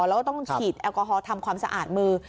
แล้วก็ต้องฉีดแอลกอฮอล์ทำความสะอาดมือ